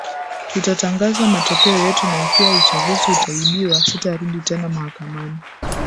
tutatangaza matokeo yetu na ikiwa uchaguzi utaibiwa sitarudi tena mahakamani